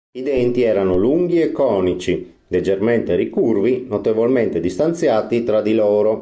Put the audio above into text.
I denti erano lunghi e conici, leggermente ricurvi, notevolmente distanziati tra di loro.